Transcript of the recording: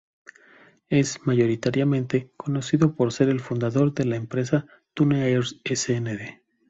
Es mayoritariamente conocido por ser el fundador de la empresa Tune Air Sdn.